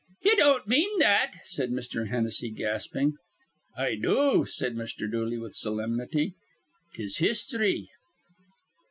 '" "Ye don't mean that," said Mr. Hennessy, gasping. "I do," said Mr. Dooley, with solemnity. "'Tis histhry."